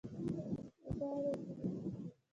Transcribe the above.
🐂 غوایی